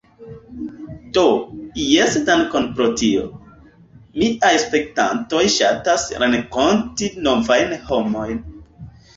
Do, jes dankon pro tio. Miaj spektantoj ŝatas renkonti novajn homojn